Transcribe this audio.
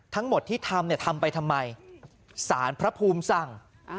ทั้งหมดที่ทำทำไปทำไมสารพระภูมิสั่ง